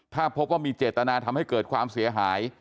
ถ้าพบว่ามีเจตนาทำให้เกิดความเสียหาย